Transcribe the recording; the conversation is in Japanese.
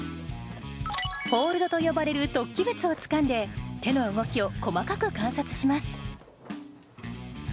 ホールドと呼ばれる突起物をつかんで手の動きを細かく観察します